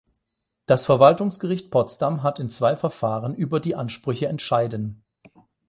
Das Verwaltungsgericht Potsdam hat in zwei Verfahren über die Ansprüche entscheiden.